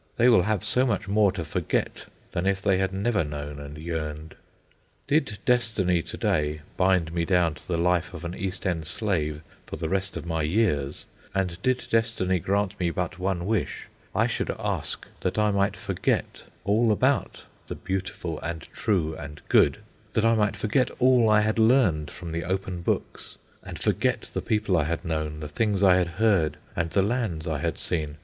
They will have so much more to forget than if they had never known and yearned. Did Destiny to day bind me down to the life of an East End slave for the rest of my years, and did Destiny grant me but one wish, I should ask that I might forget all about the Beautiful and True and Good; that I might forget all I had learned from the open books, and forget the people I had known, the things I had heard, and the lands I had seen.